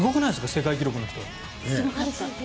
世界記録の人。